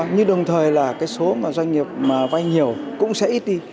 như đồng thời là cái số doanh nghiệp vay nhiều cũng sẽ ít đi